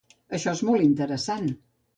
Això és molt interessant.